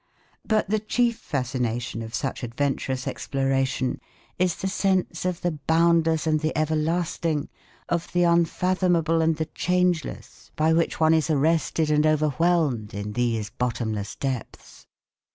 But the chief fascination of such adventurous exploration is the sense of the boundless and the everlasting, of the unfathomable and the changeless by which one is arrested and overwhelmed in these bottomless depths.